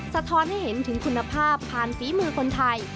สะท้อนให้เห็นถึงคุณภาพผ่านฝีมือคนไทย